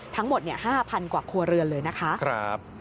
ทั้งหมด๕๐๐กว่าครัวเรือนเลยนะคะ